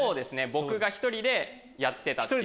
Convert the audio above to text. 僕が１人でやってた。